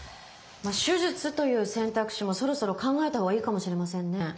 まあ手術という選択肢もそろそろ考えたほうがいいかもしれませんね。